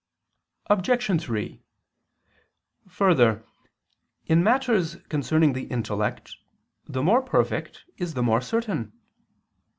Obj. 3: Further, in matters concerning the intellect, the more perfect is the more certain.